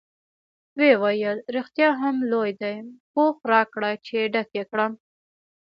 ویې ویل: رښتیا هم لوی دی، پوښ راکړه چې ډک یې کړم.